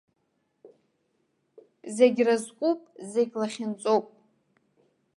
Зегь разҟуп, зегь лахьынҵоуп.